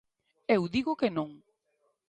Eu digo que non.